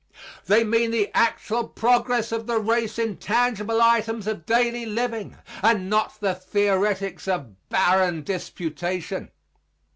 They mean the actual progress of the race in tangible items of daily living and not the theoretics of barren disputation.